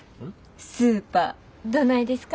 スーパーどないですか？